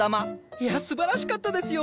いやすばらしかったですよ。